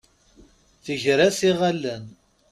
Tger-as iɣallen.